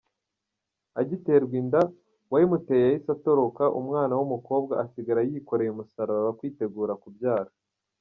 Agiterwa inda, uwayimuteye yahise atoroka, umwana w’umukobwa asigara yikoreye umusaraba kwitegura kubyara.